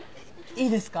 いいですか？